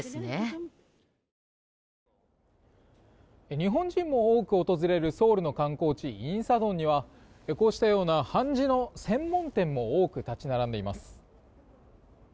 日本人も訪れる多くの観光地ソウルの観光地にはこうしたような韓紙の専門店も多く立ち並んでいます。